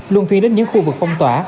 luôn phiên đến những khu vực phong tỏa